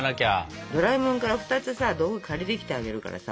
ドラえもんから２つさ道具借りてきてあげるからさ。